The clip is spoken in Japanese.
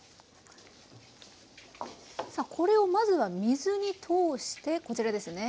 さあこれをまずは水に通してこちらですね。